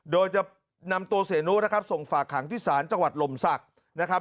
โดยจะนำตัวเสียนุนะครับส่งฝากขังที่ศาลจังหวัดลมศักดิ์นะครับ